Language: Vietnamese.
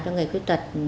cho người khuyết tật